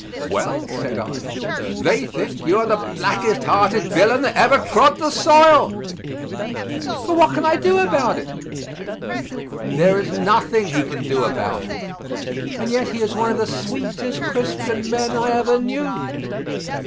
"Well," said I, "they think you are the blackest hearted villain that ever trod the soil!" "But what can I do about it?" There is nothing he can do about it, and yet he is one of the sweetest Christian men I ever knew.